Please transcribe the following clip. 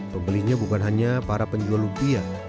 pembelinya bukan hanya para penjual lumpia